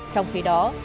trong khi đó